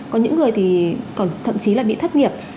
có những người thì còn thậm chí là bị thất nghiệp